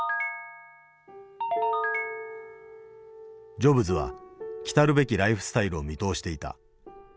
ジョブズは来るべきライフスタイルを見通していた。